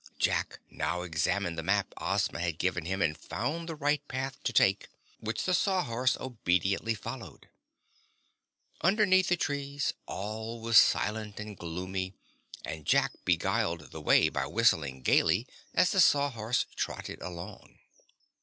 Jack now examined the map Ozma had given him and found the right path to take, which the Sawhorse obediently followed. Underneath the trees all was silent and gloomy and Jack beguiled the way by whistling gayly as the Sawhorse trotted along.